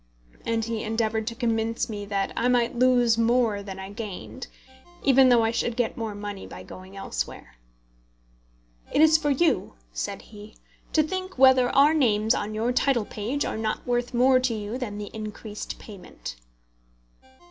And he endeavoured to convince me that I might lose more than I gained, even though I should get more money by going elsewhere. "It is for you," said he, "to think whether our names on your title page are not worth more to you than the increased payment."